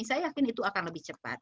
saya yakin itu akan lebih cepat